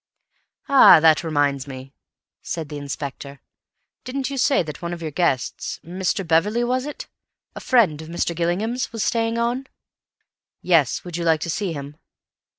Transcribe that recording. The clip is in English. "Ah, that reminds me," said the Inspector. "Didn't you say that one of your guests—Mr. Beverley was it?—a friend of Mr. Gillingham's, was staying on?" "Yes; would you like to see him?"